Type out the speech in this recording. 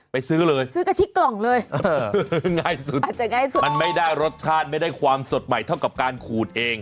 ไปซื้อเลยง่ายสุดมันไม่ได้รสชาติไม่ได้ความสดใหม่เท่ากับการขูดเอง